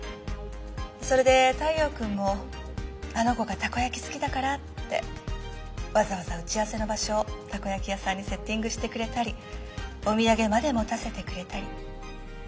それで太陽君もあの子がたこ焼き好きだからってわざわざ打ち合わせの場所をたこ焼き屋さんにセッティングしてくれたりお土産まで持たせてくれたり。